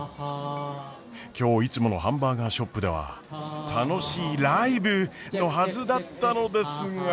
今日いつものハンバーガーショップでは楽しいライブのはずだったのですが。